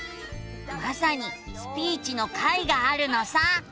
まさに「スピーチ」の回があるのさ。